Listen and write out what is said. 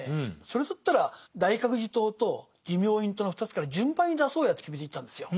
それだったら大覚寺統と持明院統の２つから順番に出そうやって決めていったんですよ。